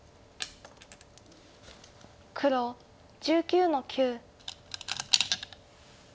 黒１９の九。